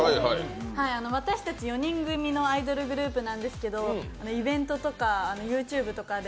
私たち４人組のアイドルグループなんですけどイベントとかＹｏｕＴｕｂｅとかで